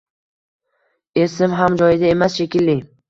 Esim ham joyida emas, shekilli.